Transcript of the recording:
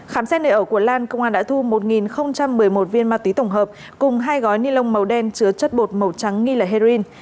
khám xét nơi ở của lan công an đã thu một một mươi một viên ma túy tổng hợp cùng hai gói ni lông màu đen chứa chất bột màu trắng nghi là heroin